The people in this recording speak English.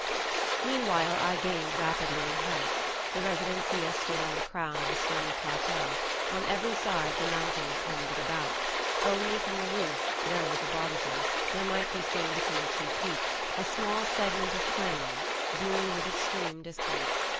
Meanwhile I gained rapidly in health. The residencia stood on the crown of a stony plateau; on every side the mountains hemmed it about; only from the roof, where was a bartizan, there might be seen between two peaks, a small segment of plain, blue with extreme distance.